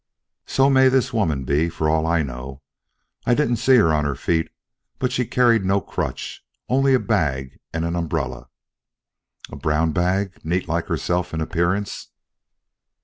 "So may this woman be, for all I know. I didn't see her on her feet, but she carried no crutch only a bag and an umbrella." "A brown bag, neat like herself in appearance?"